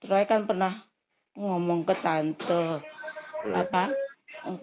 saya kan pernah ngomong ke tante